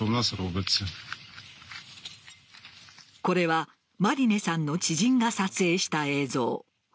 これはマリネさんの知人が撮影した映像。